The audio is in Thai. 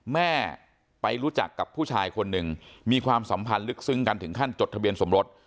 แม่ไปรู้จักกับผู้ชายคนหนึ่งมีความสัมพันธ์ลึกซึ้งกันถึงขั้นจดทะเบียนสมรส